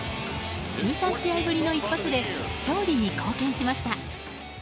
１３試合ぶりの一発で勝利に貢献しました。